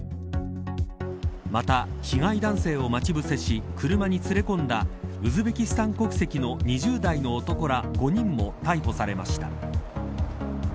また被害男性を待ち伏せし車に連れ込んだウズベキスタン国籍の２０代の男ら５人も逮捕されました。